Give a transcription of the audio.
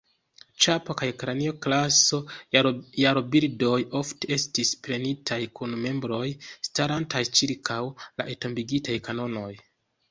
Ĉapo kaj Kranio-klaso-jarobildoj ofte estis prenitaj kun membroj starantaj ĉirkaŭ la entombigitaj kanonoj.